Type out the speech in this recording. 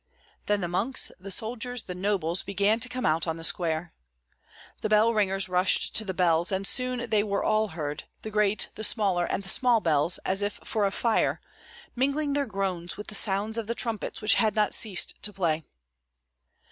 Then the monks, the soldiers, the nobles, began to come out on the square. The bell ringers rushed to the bells; and soon they were all heard, the great, the smaller, and the small bells, as if for a fire, mingling their groans with the sounds of the trumpets, which had not ceased to play.